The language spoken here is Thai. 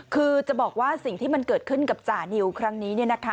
คือจะบอกว่าสิ่งที่มันเกิดขึ้นกับจานิวครั้งนี้